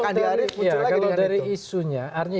kalau dari isunya